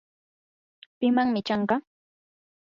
¿pimanmi chanqa?